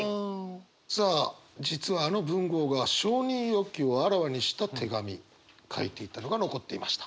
さあ実はあの文豪が承認欲求をあらわにした手紙書いていたのが残っていました。